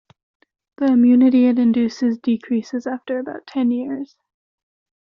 The immunity it induces decreases after about ten years.